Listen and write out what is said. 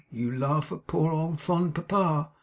You laugh at poor old fond papa.